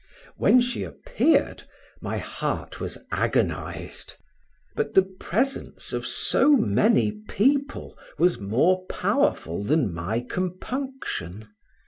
When she appeared, my heart was agonized, but the presence of so many people was more powerful than my compunction.